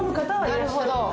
なるほど。